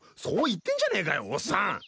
そう言ってんじゃねえかよオッサン！